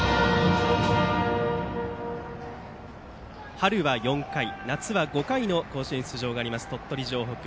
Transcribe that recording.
春は４回、夏は５回の甲子園出場があります、鳥取城北。